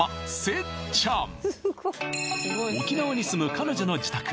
沖縄に住む彼女の自宅